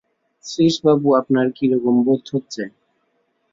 শ্রীশবাবু, আপনার কিরকম বোধ হচ্ছে।